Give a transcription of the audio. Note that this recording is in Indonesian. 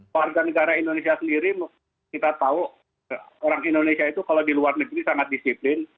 warga negara indonesia sendiri kita tahu orang indonesia itu kalau di luar negeri sangat disiplin